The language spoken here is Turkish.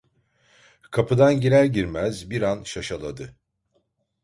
Kapıdan girer girmez bir an şaşaladı.